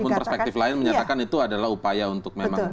meskipun perspektif lain menyatakan itu adalah upaya untuk memang